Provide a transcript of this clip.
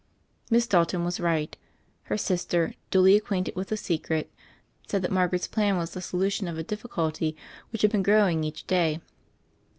Miss Dalton was right: her sister, duly ac quainted with the secret, said that Margaret's Elan was the solution of a difficulty which had een growing each day.